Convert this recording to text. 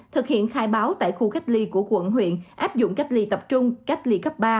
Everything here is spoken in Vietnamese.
thực hiện khai báo tại khu cách ly của quận huyện áp dụng cách ly tập trung cách ly cấp ba